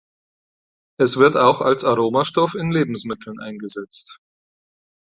Es wird auch als Aromastoff in Lebensmitteln eingesetzt.